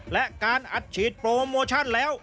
และการอัดฉีดโปรโมชั่นแล้ว